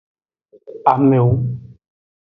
Amewo.